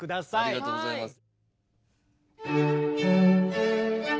ありがとうございます。